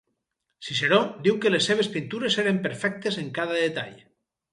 Ciceró diu que les seves pintures eren perfectes en cada detall.